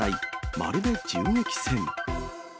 まるで銃撃戦。